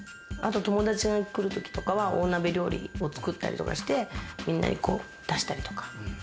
友達が来るときは大鍋料理とかを作ったりして、みんなに出したりとか。